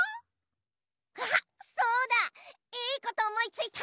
あっそうだいいことおもいついた！